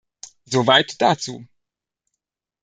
Soweit dazu.